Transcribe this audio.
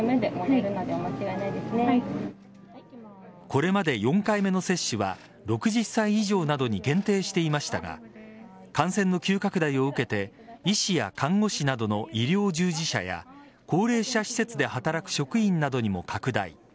これまで４回目の接種は６０歳以上などに限定していましたが感染の急拡大を受けて医師や看護師などの医療従事者や高齢者施設で働く職員などにも拡大。